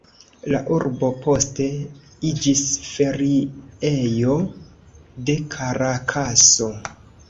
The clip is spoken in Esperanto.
La urbo poste iĝis feriejo de Karakaso.